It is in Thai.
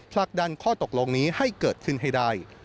ผลักดันข้อตกลงนี้ให้เกิดขึ้นให้ได้